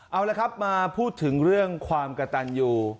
เอาละครับมาพูดถึงเรื่องความกระตันอยู่